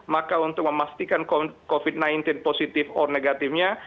maka untuk memastikan covid sembilan belas positif or negatifnya